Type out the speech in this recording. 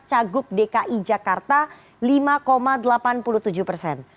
cagup dki jakarta lima delapan puluh tujuh persen